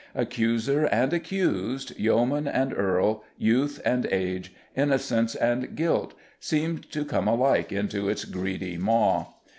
Accuser and accused, yeoman and earl, youth and age, innocence and guilt, seemed to come alike into its greedy maw.